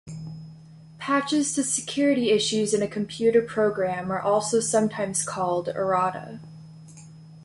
Patches to security issues in a computer program are also sometimes called errata.